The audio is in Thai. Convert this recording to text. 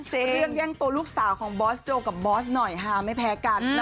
เรื่องแย่งตัวลูกสาวของบอสโจกับบอสหน่อยฮาไม่แพ้กัน